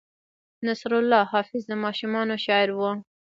نصرالله حافظ د ماشومانو شاعر و.